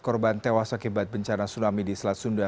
korban tewas akibat bencana tsunami di selat sunda